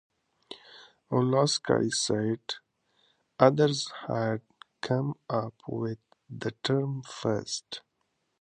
Olasky said others had come up with the term first.